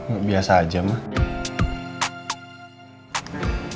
gak biasa aja mah